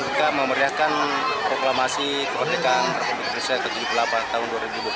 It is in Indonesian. dan juga memberiakan proklamasi keperdekaan republik indonesia ke tujuh puluh delapan tahun dua ribu dua puluh tiga